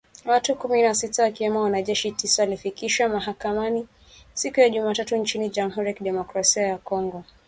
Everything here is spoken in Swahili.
Watu kumi na sita wakiwemo wanajeshi tisa walifikishwa mahakamani siku ya Jumatatu nchini Jamhuri ya Kidemokrasi ya Kongo